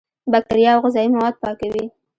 بکتریا او غذایي مواد پاکوي.